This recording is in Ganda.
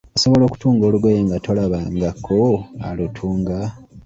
Osobola okutunga olugoye nga tolabanga ko alutunga?